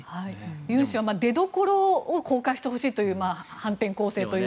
ユン氏は出どころを公開してほしいという反転攻勢という。